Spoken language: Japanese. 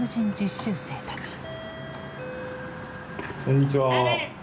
こんにちは。